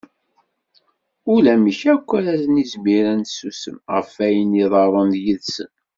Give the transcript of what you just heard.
Ulamek akk ara nizmir ad nessusem, ɣef wayen i iḍerrun yid-sen.